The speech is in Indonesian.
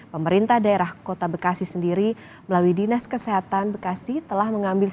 pemerintah daerah kota bekasi sendiri melalui dinas kesehatan bekasi telah mengambil